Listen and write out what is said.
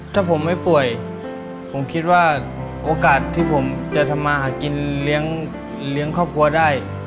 ถ้าผมไม่ป่วยผมคิดว่าโอกาสที่ผมจะทำมาหากินเลี้ยงครอบครัวได้